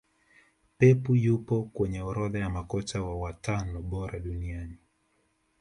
pepu yupo kwenye orodha ya makocha watano bora duniania